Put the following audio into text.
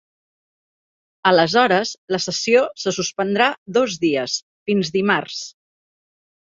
Aleshores la sessió se suspendrà dos dies, fins dimarts.